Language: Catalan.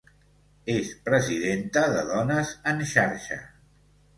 És presidenta de Dones en Xarxa.